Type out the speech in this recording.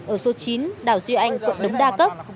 ở số chín đào duy anh quận đống đa cấp